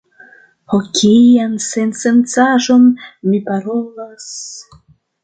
Ho, kian sensencaĵon mi parolas!